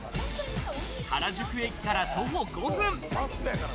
原宿駅から徒歩５分。